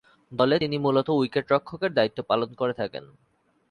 দলে তিনি মূলতঃ উইকেট-রক্ষকের দায়িত্ব পালন করে থাকেন।